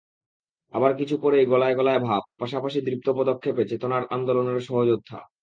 আবার কিছু পরেই গলায়-গলায় ভাব, পাশাপাশি দৃপ্ত পদক্ষেপে চেতনার আন্দোলনের সহযোদ্ধা।